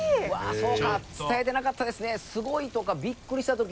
そうか伝えてなかったですね。